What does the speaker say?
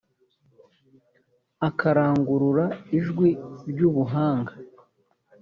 akarangurura ijwi ry ubuhanga